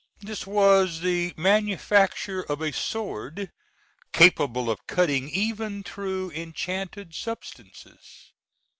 This was the manufacture of a sword capable of cutting even through enchanted substances.